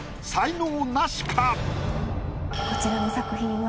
こちらの作品は。